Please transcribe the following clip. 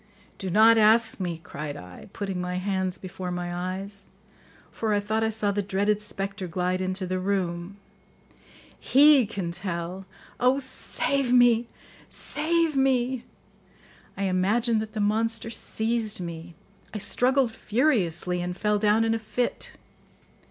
"Do not ask me," cried I, putting my hands before my eyes, for I thought I saw the dreaded spectre glide into the room; "he can tell. Oh, save me! Save me!" I imagined that the monster seized me; I struggled furiously and fell down in a fit.